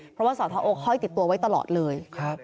เพราะว่าสอทอค่อยติดตัวไว้ตลอดเลย